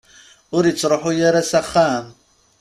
Ur ittruḥu ara s axxam?